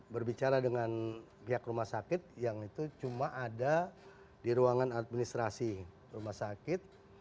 berbicara dengan pihak rumah sakit yang itu cuma ada di ruangan administrasi rumah sakit